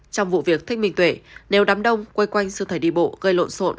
trong vụ việc thanh minh tuệ nếu đám đông quay quanh sư thầy đi bộ gây lộn xộn